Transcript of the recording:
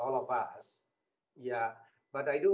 waktu yang mudah bagi kita semua